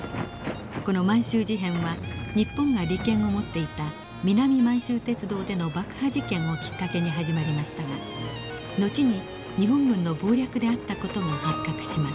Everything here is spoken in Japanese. この満州事変は日本が利権を持っていた南満州鉄道での爆破事件をきっかけに始まりましたが後に日本軍の謀略であった事が発覚します。